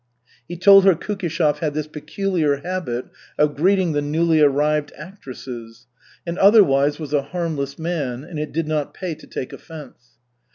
He told her Kukishev had this peculiar habit of greeting the newly arrived actresses, and otherwise was a harmless man and it did not pay to take offence.